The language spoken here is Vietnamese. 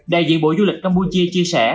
đại diện bộ du lịch campuchia chia sẻ